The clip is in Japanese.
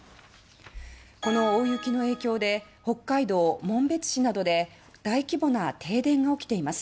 この大雪の影響で北海道を紋別市などで大規模な停電が起きています。